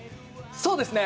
そうですね。